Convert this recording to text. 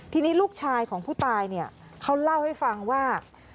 ทีนี้ลูกชายของผู้ตายเนี่ยเขาเล่าให้ฟังว่า